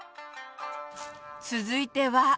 続いては。